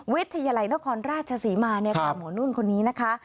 วิทยาลัยนครราชศรีมาเนี่ยค่ะหมอนุ่นคนนี้นะคะ